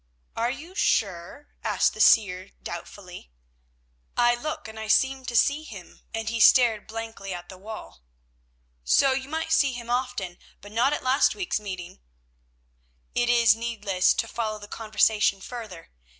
"Are you sure?" asked the seer doubtfully. "I look and I seem to see him," and he stared blankly at the wall. "So you might see him often enough, but not at last week's meeting." It is needless to follow the conversation further.